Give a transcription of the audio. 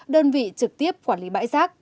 đơn vị trực tiếp quản lý bãi rác